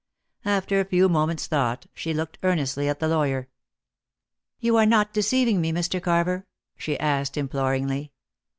After a few moments' thought, she looked earnestly at the lawyer. "You are not deceiving me, Mr. Carver?" she asked imploringly.